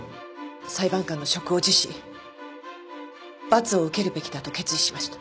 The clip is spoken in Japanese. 裁判官の職を辞し罰を受けるべきだと決意しました。